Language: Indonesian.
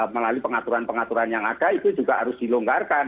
melalui pengaturan pengaturan yang ada itu juga harus dilonggarkan